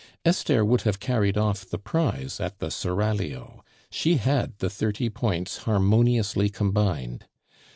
Esther would have carried off the prize at the Seraglio; she had the thirty points harmoniously combined.